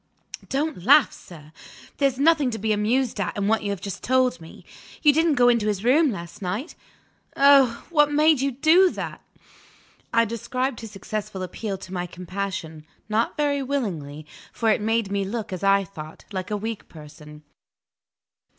"Don't laugh, sir! There's nothing to be amused at in what you have just told me. You didn't go into his room last night? Oh, what made you do that!" I described his successful appeal to my compassion not very willingly, for it made me look (as I thought) like a weak person.